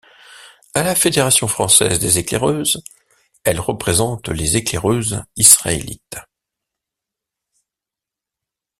À la Fédération française des éclaireuses, elle représente les Éclaireuses israélites.